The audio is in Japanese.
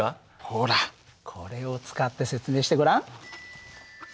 ほらこれを使って説明してごらん。